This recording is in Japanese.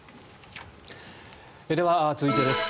では続いてです。